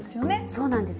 そうなんです。